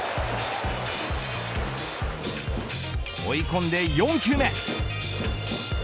追い込んで４球目。